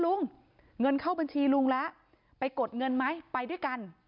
เงินเข้าบัญชีลุงแล้วไปกดเงินไหมไปด้วยกัน